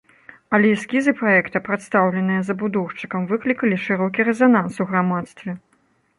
Але эскізы праекта, прадастаўленыя забудоўшчыкам, выклікалі шырокі рэзананс у грамадстве.